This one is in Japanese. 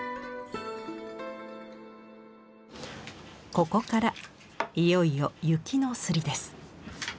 ここからいよいよ雪の摺りです。